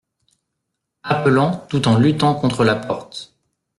Appelant tout en luttant contre la porte.